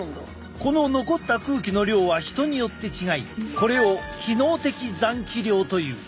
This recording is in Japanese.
この残った空気の量は人によって違いこれを機能的残気量という。